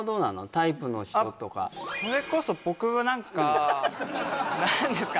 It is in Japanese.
タイプの人とかそれこそ僕は何かハハハハ何ですか？